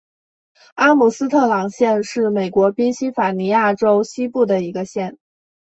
阿姆斯特朗县是美国宾夕法尼亚州西部的一个县。